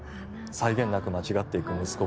際限なく間違っていく息子